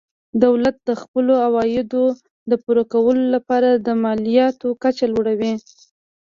دولت د خپلو عوایدو د پوره کولو لپاره د مالیاتو کچه لوړوي.